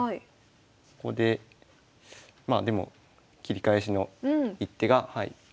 ここでまあでも切り返しの一手が。